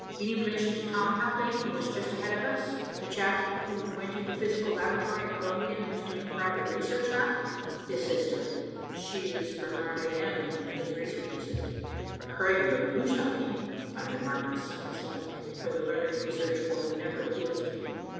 Any relation to Tom Haldane who was just ahead of us, the chap who went into the Physical Laboratory at Columbia and who's doing private research now?" "His sister. She is Barnard A. M., and his research assistant." "Regular bluestocking," I remarked with some dislike, for the learned research woman never appealed to me.